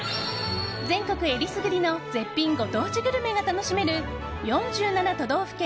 全国選りすぐりの絶品ご当地グルメが楽しめる４７都道府県